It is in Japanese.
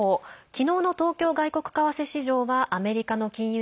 きのうの東京為替市場はアメリカの金融